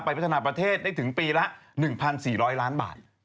พัฒนาประเทศได้ถึงปีละ๑๔๐๐ล้านบาท